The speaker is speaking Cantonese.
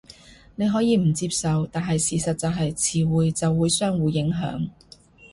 你可以唔接受，但係事實就係詞彙就會相互影響